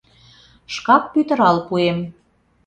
— Шкак пӱтырал пуэм.